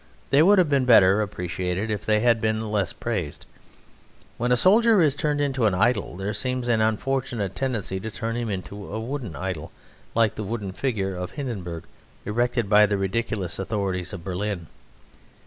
They would have been better appreciated if they had been less praised. When a soldier is turned into an idol there seems an unfortunate tendency to turn him into a wooden idol, like the wooden figure of Hindenburg erected by the ridiculous authorities of Berlin.